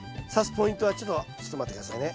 ポイントはちょっとちょっと待って下さいね。